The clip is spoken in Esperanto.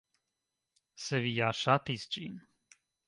Se vi ja ŝatis ĝin